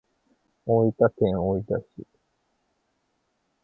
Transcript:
大分県大分市